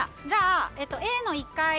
じゃあＡの１階。